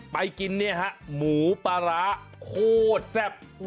ไปกินเนี่ยฮะหมูปลาร้าโคตรแซ่บ